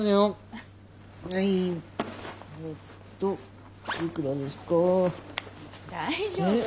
あ大丈夫。